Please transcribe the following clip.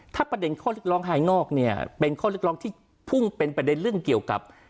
ถ้าประเด็นข้อเรียกร้องภายนอกเนี่ยเป็นข้อเรียกร้องที่พุ่งเป็นประเด็นเรื่องเกี่ยวกับ